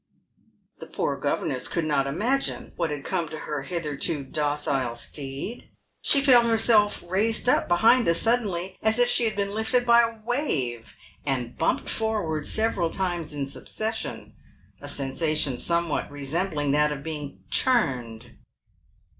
The poor governess could not imagine what had come to her hitherto docile steed. She felt herself raised up behind as suddenly as if she had been lifted by a wave, and bumped forward several times in succession — a sensation somewhat resembling that of being churned.